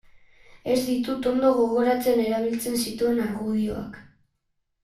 Ez ditut ondo gogoratzen erabiltzen zituen argudioak.